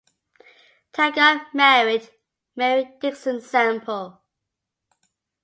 Taggart married Mary Dickson Sample.